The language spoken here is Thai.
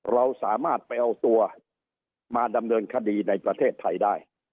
เราสามารถไปเอาตัวมาดำเนินคดีในประเทศไทยได้